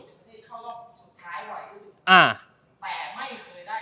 แต่ไม่เคยได้แชมป์เลย